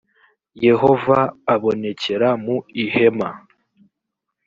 yehova abonekera mu ihema